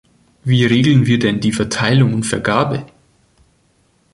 Wie regeln wir denn die Verteilung und Vergabe?